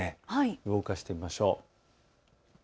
動かしてみましょう。